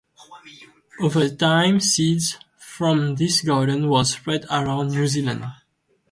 Overtime seeds from this garden was spread around New Zealand.